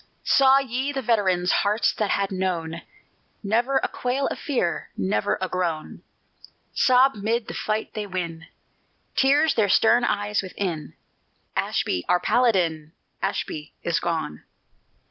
_" Saw ye the veterans Hearts that had known Never a quail of fear, Never a groan, Sob 'mid the fight they win, Tears their stern eyes within, "Ashby, our Paladin, Ashby is gone!"